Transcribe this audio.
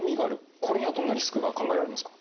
これにはどんなリスクが考えられますか？